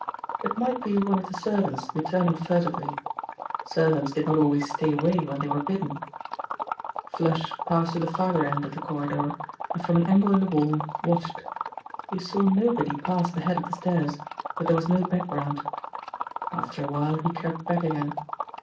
It might be one of the servants returning furtively servants did not always stay away when they were bidden. 'Flush' passed to the farther end of the corridor and from an angle in the wall watched. He saw nobody pass the head of the stairs, but there was no background. After a while he crept back again.